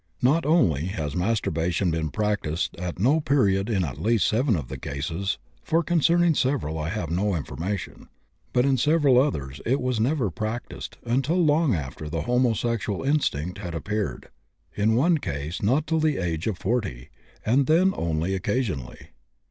Not only has masturbation been practised at no period in at least 7 of the cases (for concerning several I have no information), but in several others it was never practised until long after the homosexual instinct had appeared, in 1 case not till the age of 40, and then only occasionally.